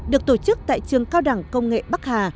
được tổ chức tại trường cao đẳng công nghệ bắc hà